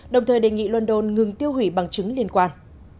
đồng thời đề nghị london ngừng tiêu hủy bằng chứng liên quan